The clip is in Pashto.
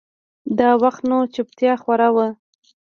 دا وخت نو چوپتيا خوره وه.